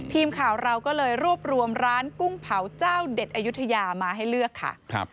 ทีมข่าวเราก็เลยรวบรวมร้านกุ้งเผาเจ้าเด็ดอายุทยามาให้เลือกค่ะ